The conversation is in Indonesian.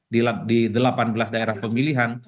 di delapan belas daerah pemilihan